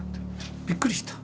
びっくりした。